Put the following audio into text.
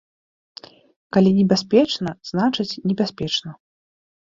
Калі небяспечна, значыць небяспечна.